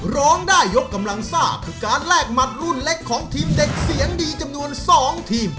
ร้องได้ยกกำลังซ่าคือการแลกหมัดรุ่นเล็กของทีมเด็กเสียงดีจำนวน๒ทีม